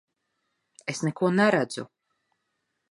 Es neko neredzu!